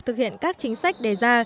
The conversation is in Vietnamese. thực hiện các chính sách đề ra